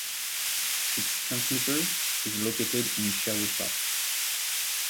Its transmitter is located in Sherwood Park.